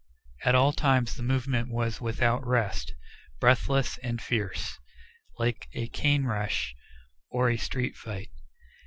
At all times the movement was without rest, breathless and fierce, like a cane rush, or a street fight.